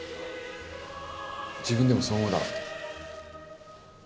自分でもそう思うだろ？